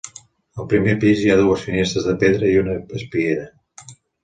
Al primer pis hi ha dues finestres de pedra i una espiera.